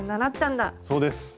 そうです。